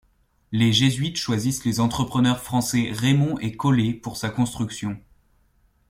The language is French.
Les jésuites choisissent les entrepreneurs français Rémond et Collet pour sa construction.